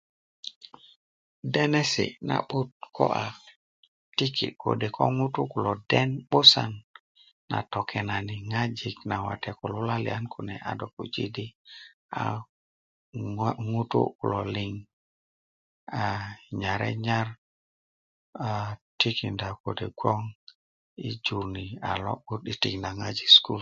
denesi na'but ko a tiki ko de ko ŋutu kulo a den 'busan na tokenani ŋojik na wate ko tikinda lulaliyan kune a do puji di a ŋo ŋutu kulo liŋ nyare nyar a tikinda kode bgoŋ i jur ni a lo'but i tikinda ŋojik i sukulu